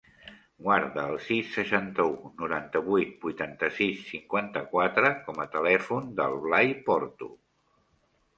Guarda el sis, seixanta-u, noranta-vuit, vuitanta-sis, cinquanta-quatre com a telèfon del Blai Porto.